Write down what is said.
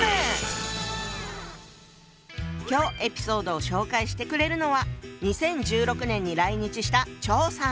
今日エピソードを紹介してくれるのは２０１６年に来日した張さん。